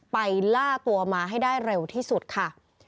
ล่าตัวมาให้ได้เร็วที่สุดค่ะ